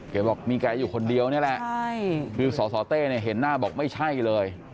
เขาบอกมีใครอยู่คนเดียวนี่แหละคือสอเต้เห็นหน้าบอกไม่ใช่เลย